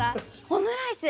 オムライス！